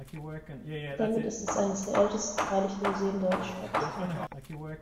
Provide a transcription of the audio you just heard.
Damit ist es eines der ältesten Freilichtmuseen Deutschlands.